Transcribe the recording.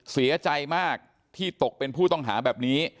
เสียใจมากที่ตกเป็นผู้ต้องหาแบบนี้